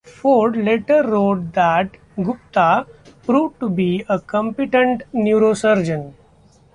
Ford later wrote that Gupta "proved to be a competent neurosurgeon".